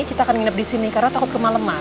kita akan nginep disini karena takut kemalemah